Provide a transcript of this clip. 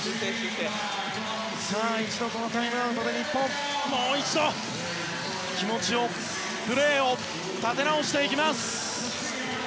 一度、このタイムアウトで日本もう一度気持ちをプレーを立て直していきます。